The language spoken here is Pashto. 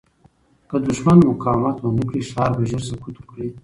که دښمن مقاومت ونه کړي، ښار به ژر سقوط وکړي.